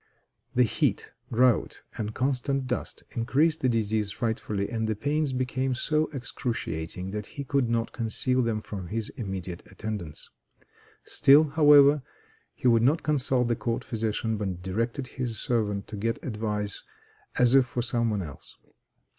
The heat, drought, and constant dust increased the disease frightfully, and the pains became so excruciating that he could not conceal them from his immediate attendants. Still, however, he would not consult the court physician, but directed his servant to get advice as if for some one else.